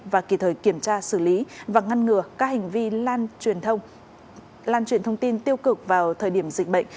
và kỳ thời kiểm tra xử lý và ngăn ngừa các hành vi lan truyền thông tin tiêu cực vào thời điểm dịch bệnh